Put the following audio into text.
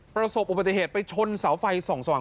ประสบอุบัติเหตุไปชนเสาไฟส่องสว่าง